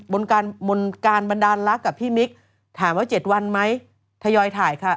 บนการบันดาลรักกับพี่มิ๊กถามว่า๗วันไหมทยอยถ่ายค่ะ